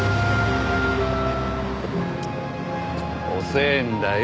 遅えんだよ。